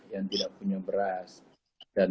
yang tidak punya beras dan